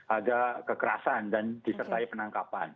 ada kekerasan dan disertai penangkapan